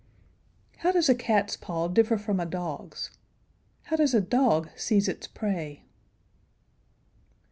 How does a cat's paw differ from a dog's? How does a dog seize its prey?